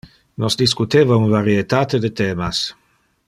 Nos discuteva un varietate de themas.